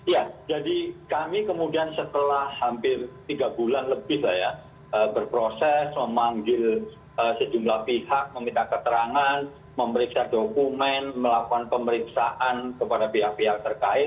ya jadi kami kemudian setelah hampir tiga bulan lebih lah ya berproses memanggil sejumlah pihak meminta keterangan memeriksa dokumen melakukan pemeriksaan kepada pihak pihak terkait